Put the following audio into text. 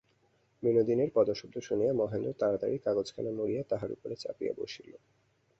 বিনোদিনীর পদশব্দ শুনিয়া মহেন্দ্র তাড়াতাড়ি কাগজখানা মুড়িয়া তাহার উপরে চাপিয়া বসিল।